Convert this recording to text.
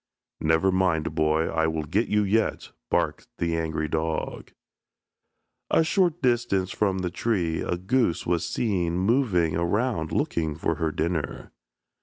"Never mind, boy, I will get you yet," barked the angry dog. A short distance from the tree a goose was seen moving around looking for her dinner.